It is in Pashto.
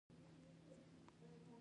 ښایسته هغه څوک دی، چې اخلاق یې ښکلي وي.